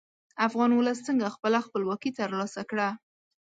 افغان ولس څنګه خپله خپلواکي تر لاسه کړه.